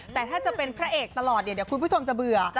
แต่ถ้าจะเป็นพระเอกตลอดเนี่ยเดี๋ยวคุณผู้ชมจะเบื่อ